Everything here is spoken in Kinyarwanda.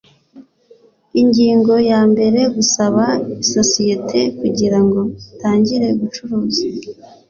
Ingingo ya mbere Gusaba isosiyete kugira ngo itangire gucuruza